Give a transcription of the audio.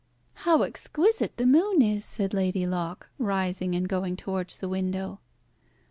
"How exquisite the moon is!" said Lady Locke, rising and going towards the window.